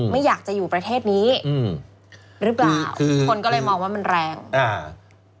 ไม่อยากจะอยู่ประเทศนี้อืมหรือเปล่าอืมคนก็เลยมองว่ามันแรงอ่า